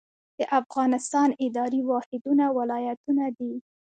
د افغانستان اداري واحدونه ولایتونه دي